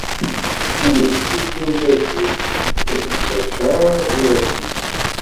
Win yettcuddun tadliwin ur d-ittaččar yirebbi-s.